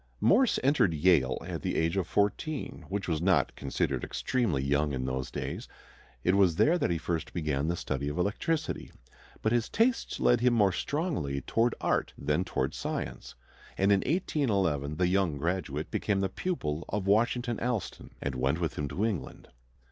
Morse entered Yale at the age of fourteen, which was not considered extremely young in those days. It was there that he first began the study of electricity. But his tastes led him more strongly toward art than toward science, and in 1811 the young graduate became the pupil of Washington Allston and went with him to England.